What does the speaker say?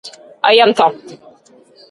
gjenta